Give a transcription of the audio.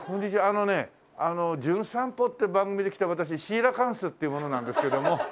あのね『じゅん散歩』って番組で来た私シーラカンスっていう者なんですけども。